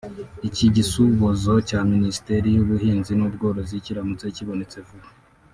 Iki gisubozo cya Minisiteri y’Ubuhinzi n’Ubworozi kiramutse kibonetse vuba